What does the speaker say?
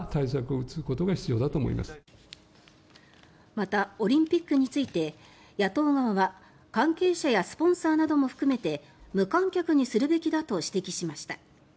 また、オリンピックについて野党側は関係者やスポンサーなども含めて無観客にするべきだと指摘しました。